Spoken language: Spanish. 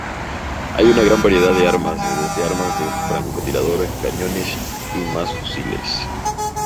Hay una gran variedad de armas, desde armas de francotirador, cañones y más fusiles.